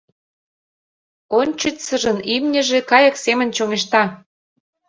Ончычсыжын имньыже кайык семын чоҥешта.